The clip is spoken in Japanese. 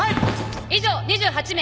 以上２８名。